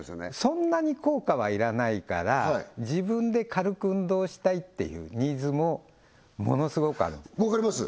そんなに効果はいらないから自分で軽く運動したいっていうニーズもものスゴくあるんですわかります